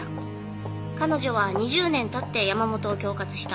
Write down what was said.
彼女は２０年経って山元を恐喝した。